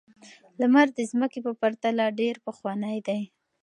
لمر د ځمکې په پرتله ډېر پخوانی دی.